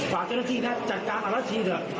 ฝากเจ้าหน้าที่นะจัดการอรัชชีเถอะ